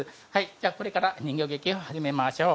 じゃあこれから人形劇を始めましょう。